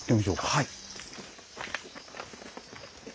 はい。